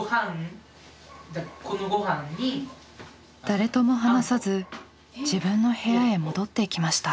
誰とも話さず自分の部屋へ戻っていきました。